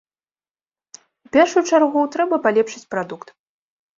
У першую чаргу, трэба палепшыць прадукт.